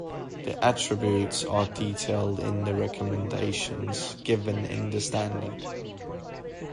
The attributes are detailed in the recommendations given in the standard.